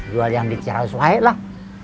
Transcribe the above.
jual yang diceraus lah